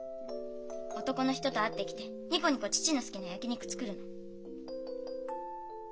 男の人と会ってきてニコニコ父の好きな焼き肉作るの。